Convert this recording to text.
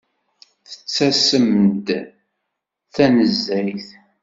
Tettasem-d tanezzayt.